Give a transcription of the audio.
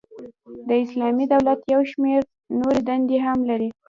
د اسلامی دولت یو شمیر نوري دندي هم لري.